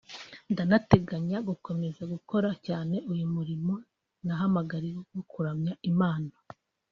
’ ndanateganya gukomeza gukora cyane uyu murimo nahamagariwe wo kuramya Imana